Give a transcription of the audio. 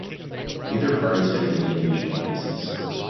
Neither party stood in any regional races.